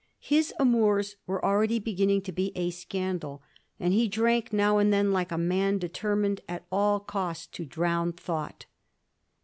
His amours were already beginning to be a scandal, and he drank now and then like a man determined at all cost to drown thought.